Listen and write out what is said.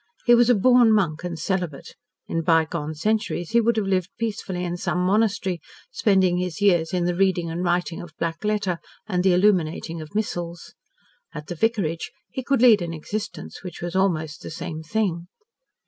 He was a born monk and celibate in by gone centuries he would have lived peacefully in some monastery, spending his years in the reading and writing of black letter and the illuminating of missals. At the vicarage he could lead an existence which was almost the same thing.